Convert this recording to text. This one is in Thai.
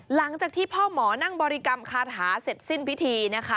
หลังจากที่พ่อหมอนั่งบริกรรมคาถาเสร็จสิ้นพิธีนะคะ